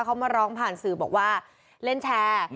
เขามาร้องผ่านสื่อบอกว่าเล่นแชร์